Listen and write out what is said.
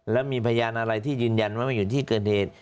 แล้วมีพยานอะไรที่ยืนยันว่าไม่อยู่ที่เกิดเหตุ